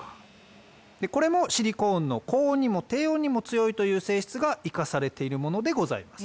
これもシリコーンの高温にも低温にも強いという性質が生かされているものでございます。